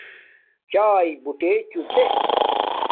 چاݵے بوٹے چو دے